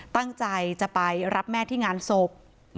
ตั้งใจจะไปรับแม่ที่งานศพ